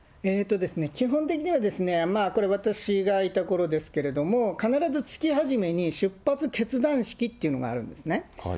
基本的には、これ、私がいたころですけれども、必ず月初めに、出発結団式というのがあるんですね。